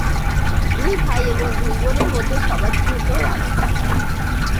দুই ভাই এবং দুই বোনের মধ্যে সবার ছোট রাখি।